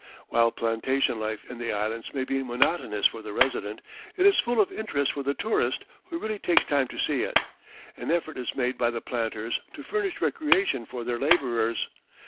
While plantation life in the Islands may be monotonous for the resident, it is full of interest for the tourist who really takes time to see it. An effort is made by the planters to furnish recreation for their labourers.